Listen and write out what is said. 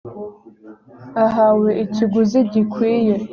ahawe ikiguzi gikwiye.